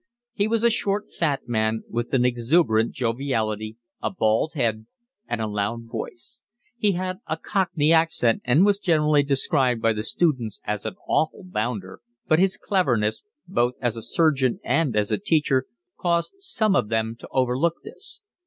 He was a short, fat man, with an exuberant joviality, a bald head, and a loud voice; he had a cockney accent, and was generally described by the students as an 'awful bounder'; but his cleverness, both as a surgeon and as a teacher, caused some of them to overlook this.